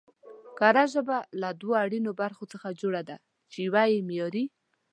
کره ژبه له دوو اړينو برخو څخه جوړه ده، چې يوه يې معياري